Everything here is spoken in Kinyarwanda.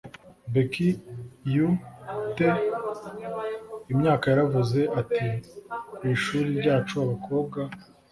Becky u te imyaka yaravuze ati ku ishuri ryacu abakobwa